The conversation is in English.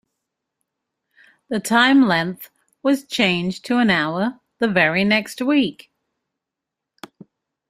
The time length was changed to an hour the very next week.